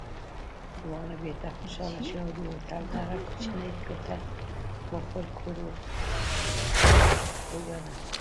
دواړه بېرته خوشحاله شوو او د هوټل دغه کوچنۍ کوټه مو خپل کور وګاڼه.